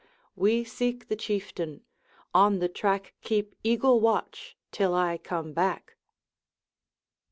We seek the Chieftain; on the track Keep eagle watch till I come back.'